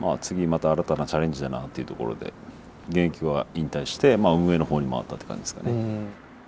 次また新たなチャレンジだなっていうところで現役は引退してまあ運営の方に回ったって感じですかね。